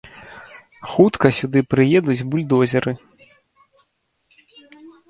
Хутка сюды прыедуць бульдозеры.